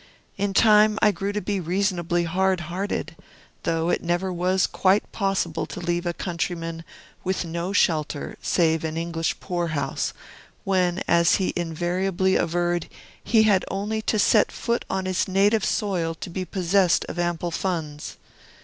In time I grew to be reasonably hard hearted, though it never was quite possible to leave a countryman with no shelter save an English poorhouse, when, as he invariably averred, he had only to set foot on his native soil to be possessed of ample funds.